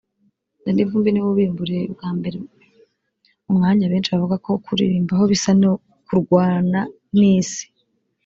Danny Vumbi ni we ubimburiye bwa mbere [umwanya benshi bavuga ko kuwuririmbaho bisa no kurwana n’Isi]